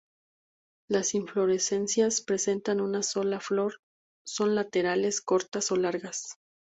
Las inflorescencias presentan una sola flor, son laterales, cortas o largas.